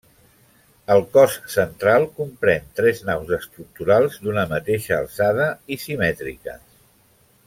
El cos central comprèn tres naus estructurals d'una mateixa alçada i simètriques.